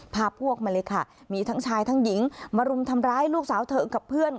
พาพวกมาเลยค่ะมีทั้งชายทั้งหญิงมารุมทำร้ายลูกสาวเธอกับเพื่อน